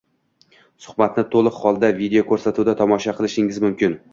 suhbatni to‘liq holda videoko‘rsatuvda tomosha qilishingiz mumkin.